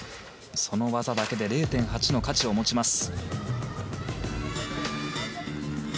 その技だけで０．８の価値を持ちます。